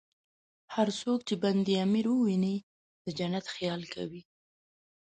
هر څوک چې بند امیر ویني، د جنت خیال کوي.